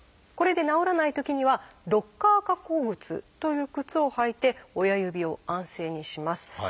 これで治らないときには「ロッカー加工靴」という靴を履いて親指を安静にします。